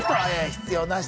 必要なし？